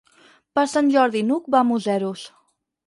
Per Sant Jordi n'Hug va a Museros.